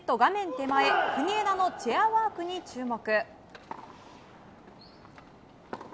手前国枝のチェアワークに注目。